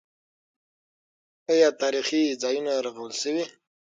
آیا تاریخي ځایونه رغول شوي؟